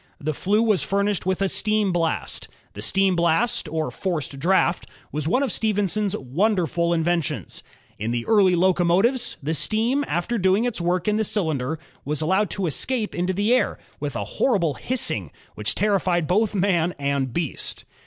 The flue was furnished with a steam blast. The steam blast or forced draft was one of Stephenson's wonderful inventions. In the earlier locomotives, the steam after doing its work in the cylinder was allowed to escape into the air, with a horrible hissing which terrified both man and beast.